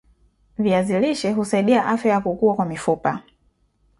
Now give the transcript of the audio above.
viazi lishe husaidia afya ya kukua kwa mifupa